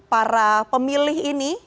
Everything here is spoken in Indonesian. para pemilih ini